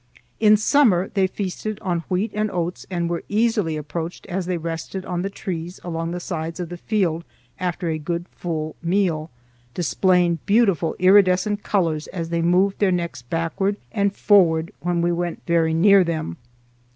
In summer they feasted on wheat and oats and were easily approached as they rested on the trees along the sides of the field after a good full meal, displaying beautiful iridescent colors as they moved their necks backward and forward when we went very near them.